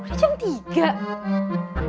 orangnya jam tiga